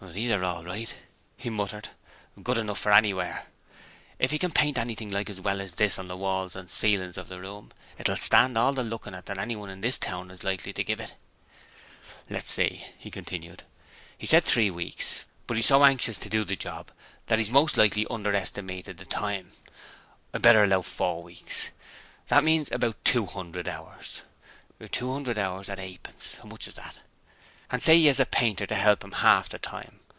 'These are all right,' he muttered. 'Good enough for anywhere. If he can paint anything like as well as this on the walls and ceiling of the room, it will stand all the looking at that anyone in this town is likely to give it.' 'Let's see,' he continued. 'He said three weeks, but he's so anxious to do the job that he's most likely under estimated the time; I'd better allow four weeks: that means about 200 hours: 200 hours at eight pence: how much is that? And say he has a painter to help him half the time.